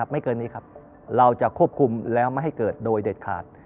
ไม่เกินนี้ครับเราจะควบคุมแล้วไม่ให้เกิดโดยเด็ดขาด